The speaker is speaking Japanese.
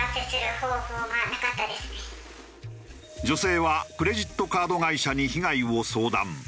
女性はクレジットカード会社に被害を相談。